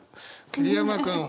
桐山君。